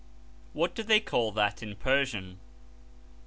What do they call that in Persian